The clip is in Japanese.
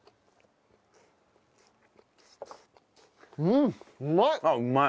うんうまい！